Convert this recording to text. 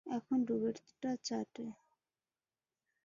এখন ডুবেরটা চাটে।